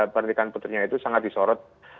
pernikahan putrinya itu sangat disorot